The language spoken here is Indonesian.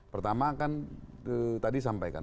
pertama kan tadi sampaikan